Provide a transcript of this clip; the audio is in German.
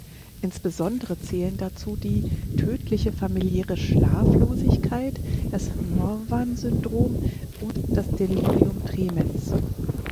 Insbesondere zählen dazu die "Tödliche familiäre Schlaflosigkeit", das "Morvan Syndrom" und das "Delirium tremens".